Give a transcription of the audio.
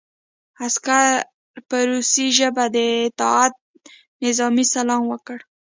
عسکر په روسي ژبه د اطاعت نظامي سلام وکړ